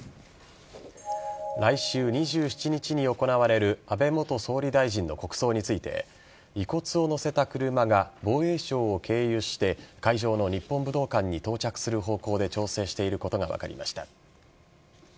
来週２７日に行われる安倍元総理大臣の国葬について遺骨を載せた車が防衛省を経由して会場の日本武道館に到着する方向で調整していることが分かりました。